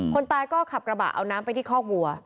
คนตายก็ขับกระบะเอาน้ำไปที่คอกวัว